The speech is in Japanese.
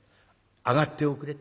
上がっておくれ」。